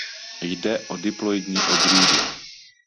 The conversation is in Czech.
Jde o diploidní odrůdu.